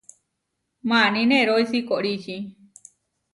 Maní nerói sikoríči.